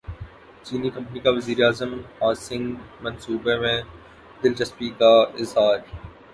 چینی کمپنی کا وزیر اعظم ہاسنگ منصوبے میں دلچسپی کا اظہار